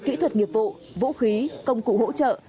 kỹ thuật nghiệp vụ vũ khí công cụ hỗ trợ